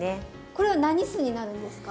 これは何酢になるんですか？